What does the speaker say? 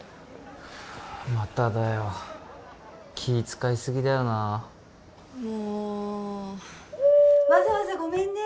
まただよ気使いすぎだよなもうわざわざごめんね